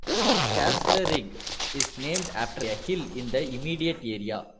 Castlerigg is named after a hill in the immediate area.